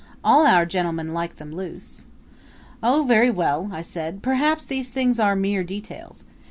"All our gentlemen like them loose." "Oh, very well," I said; "perhaps these things are mere details.